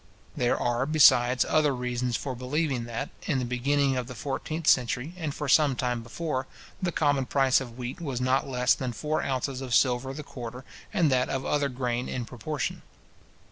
There are, besides, other reasons for believing that, in the beginning of the fourteenth century, and for some time before, the common price of wheat was not less than four ounces of silver the quarter, and that of other grain in proportion.